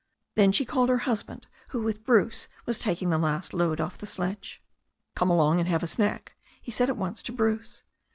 Then she called her husband, who with Bruce was taking the last load off the sledge. "Come along and have a snack," he said at once to Bruce.